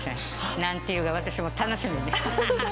なんていうか、私も楽しみです。